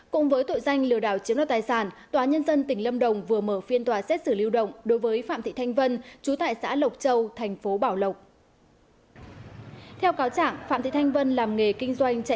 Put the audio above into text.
các bạn hãy đăng ký kênh để ủng hộ kênh của chúng mình nhé